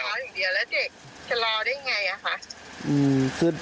เช้าอย่างเดียวแล้วเด็กจะรอได้อย่างไร